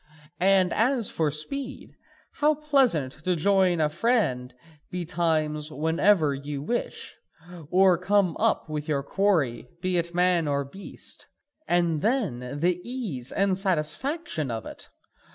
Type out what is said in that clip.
And as for speed how pleasant to join a friend betimes whenever you wish, or come up with your quarry be it man or beast! And then, the ease and satisfaction of it!